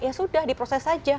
ya sudah diproses saja